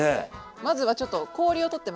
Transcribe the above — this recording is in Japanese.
まずはちょっと氷を取ってまいります。